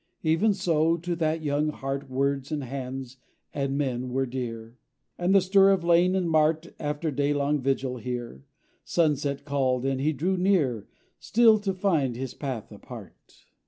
Even so, to that young heart, Words and hands, and Men were dear; And the stir of lane and mart After daylong vigil here. Sunset called, and he drew near, Still to find his path apart.